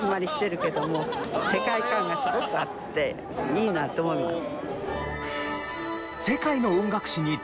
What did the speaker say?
いいなと思います。